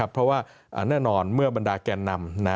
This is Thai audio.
เพราะว่าแน่นอนเมื่อบรรดาแกนนำ